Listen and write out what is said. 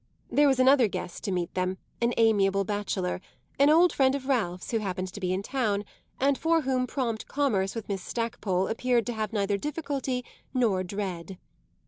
There was another guest to meet them, an amiable bachelor, an old friend of Ralph's who happened to be in town and for whom prompt commerce with Miss Stackpole appeared to have neither difficulty nor dread.